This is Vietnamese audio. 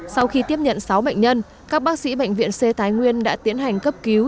sau khi tiếp nhận sáu bệnh nhân các bác sĩ bệnh viện c thái nguyên đã tiến hành cấp cứu